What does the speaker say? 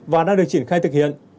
và đang được triển khai thực hiện